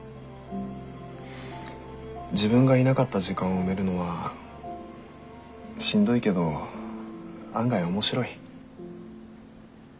自分がいなかった時間を埋めるのはしんどいけど案外面白い。